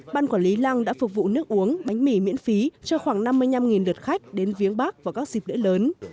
ban quản lý lăng đã phục vụ nước uống bánh mì miễn phí cho khoảng năm mươi năm lượt khách đến viếng bắc vào các dịp lễ lớn